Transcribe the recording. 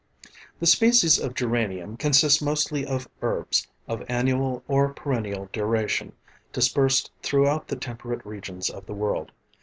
The species of Geranium consist mostly of herbs, of annual or perennial duration, dispersed throughout the temperate regions of the world.